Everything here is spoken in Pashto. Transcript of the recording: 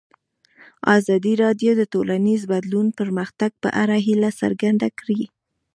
ازادي راډیو د ټولنیز بدلون د پرمختګ په اړه هیله څرګنده کړې.